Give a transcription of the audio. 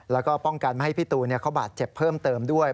แล้วก็ป้องกันไม่ให้พี่ตูนเขาบาดเจ็บเพิ่มเติมด้วย